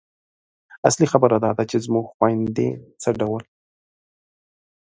اصلي خبره دا ده چې زموږ خویندې څه ډول